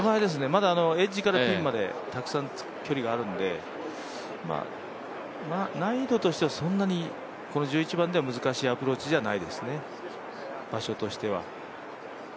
まだエッジからピンまでたくさん距離があるので、難易度としてはそんなに、この１１番では難しいアプローチではないですね、場所としては。